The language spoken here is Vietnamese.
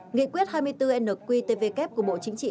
nghị quyết hai mươi bốn nqtvk của bộ chính trị